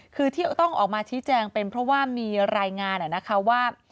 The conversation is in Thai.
คือที่ต้องออกมาชี้แจงเป็นเพราะว่ามีรายงานนะคะว่า